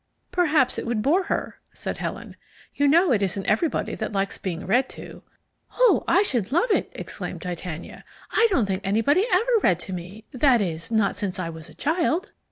"Perhaps it would bore her?" said Helen. "You know it isn't everybody that likes being read to." "Oh, I should love it!" exclaimed Titania. "I don't think anybody ever read to me, that is not since I was a child."